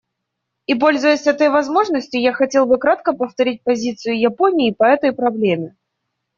И пользуясь этой возможностью, я хотел бы кратко повторить позицию Японии по этой проблеме.